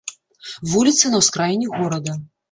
Вуліцы на ўскраіне горада.